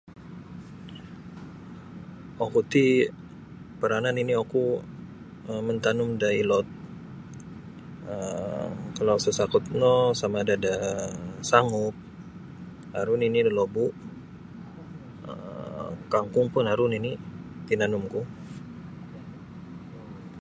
Oku ti paranah nini' oku um mantanum da ilod um kalau sasakut no sama ada da sangup aru nini' lolobu' um kangkung pun aru nini' tinanumku.